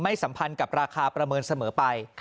สัมพันธ์กับราคาประเมินเสมอไป